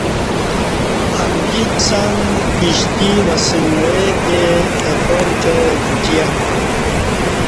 امکی څک کشتی وسݩگعتے تئے اپار کہ گِھٹیہ